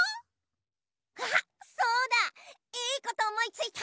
あっそうだいいことおもいついた！